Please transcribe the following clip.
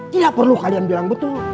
tidak perlu kalian bilang betul